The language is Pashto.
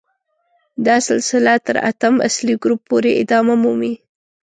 دا سلسله تر اتم اصلي ګروپ پورې ادامه مومي.